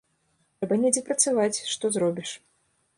Трэба недзе працаваць, што зробіш.